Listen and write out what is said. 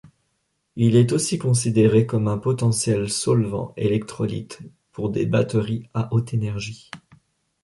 Il est aussi considéré comme potentiel solvant électrolyte pour des batteries à haute énergie.